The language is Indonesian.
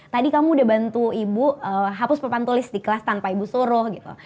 tadi kamu udah bantu ibu hapus papan tulis di kelas tanpa ibu suruh gitu